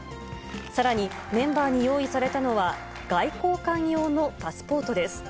さらに、メンバーに用意されたのは、外交官用のパスポートです。